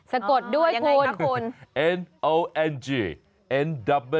สะกดด้วยคุณยังไงครับคุณ